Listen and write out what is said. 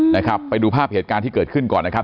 นะครับไปดูภาพเหตุการณ์ที่เกิดขึ้นก่อนนะครับ